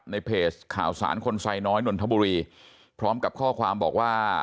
ในเพจข่าวสารคนไซน้อยนนทบุรีพร้อมกับข้อความบอกว่า